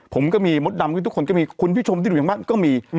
ผมก็มีมดดำทุกคนก็มีคุณผู้ชมที่ดูอย่างบ้านก็มี